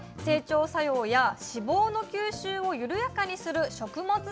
整腸作用や脂肪の吸収を緩やかにする食物